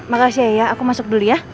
makasih ya aku masuk dulu ya